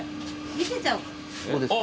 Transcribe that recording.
見せちゃおうか。